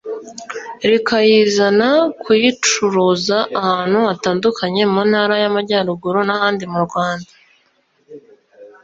rikayizana kuyicuruza ahantu hatandukanye mu Ntara y’Amajyaruguru n’ahandi mu Rwanda